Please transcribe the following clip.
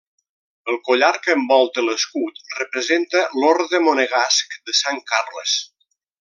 El collar que envolta l'escut representa l'orde monegasc de Sant Carles.